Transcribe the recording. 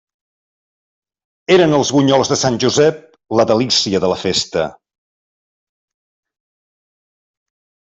Eren els bunyols de Sant Josep, la delícia de la festa.